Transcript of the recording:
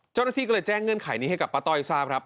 เจ้าหน้าที่ก็เลยแจ้งเงื่อนไขนี้ให้กับป้าต้อยทราบครับ